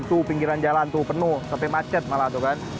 itu pinggiran jalan tuh penuh sampai macet malah tuh kan